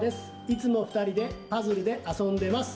いつもふたりでパズルであそんでます。